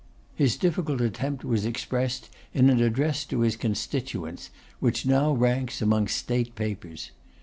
His difficult attempt was expressed in an address to his constituents, which now ranks among state papers.